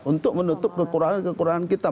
untuk menutup kekurangan kekurangan kita